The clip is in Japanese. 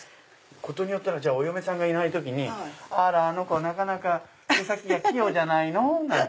事によったらお嫁さんがいない時に「あらあの子はなかなか手先が器用じゃないの」なんて。